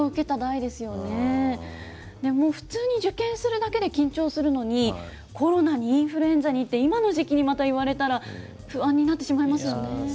でも普通に受験するだけでも緊張するのに、コロナにインフルエンザにって、また今の時期に言われたら不安になってしまいますよね。